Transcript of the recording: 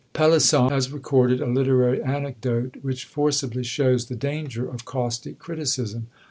Pelisson has recorded a literary anecdote, which forcibly shows the danger of caustic criticism.